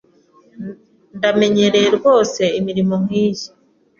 Ndamenyereye rwose imirimo nkiyi.